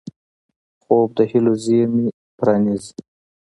خوب د هیلو زېرمې راپرانيزي